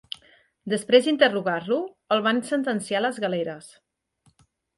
Després d'interrogar-lo, el van sentenciar a les galeres.